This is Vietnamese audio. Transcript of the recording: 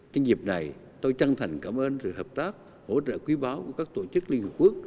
trên dịp này tôi chân thành cảm ơn sự hợp tác hỗ trợ quý báo của các tổ chức liên hợp quốc